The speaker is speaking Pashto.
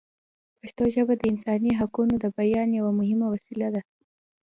پښتو ژبه د انساني حقونو د بیان یوه مهمه وسیله ده.